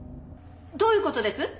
どういうことです？